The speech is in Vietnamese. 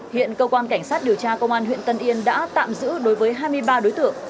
hiện cơ quan cảnh sát điều tra công an huyện tân yên đã tạm giữ đối với hai mươi ba đối tượng